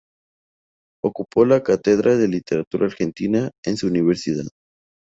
Ocupó la cátedra de literatura argentina en su universidad.